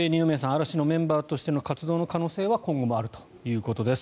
嵐のメンバーとしての活動の可能性は今後もあるということです。